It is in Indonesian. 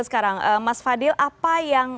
sekarang mas fadil apa yang